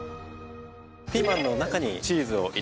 ピーマンの中にチーズを入れて頂いて。